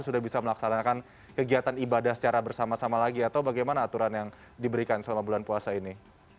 sudah bisa melaksanakan kegiatan ibadah secara bersama sama lagi atau bagaimana aturan yang diberikan selama bulan puasa ini